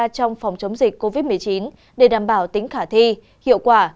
trong phòng chống dịch covid một mươi chín để đảm bảo tính khả thi hiệu quả